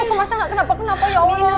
kenapa masalah gak kenapa kenapa ya allah